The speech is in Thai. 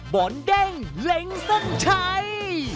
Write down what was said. บอลเด้งเล็งเส้นชัย